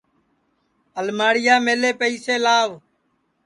الماڑِیاملے پیئیسے لاو